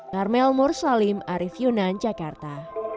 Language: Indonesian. karmel mursalim arief yunan jakarta